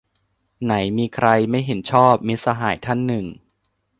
"ไหนมีใคร ไม่เห็นชอบ" - มิตรสหายท่านหนึ่ง